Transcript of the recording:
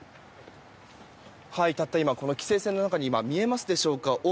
たった今、規制線の中に見えますでしょうか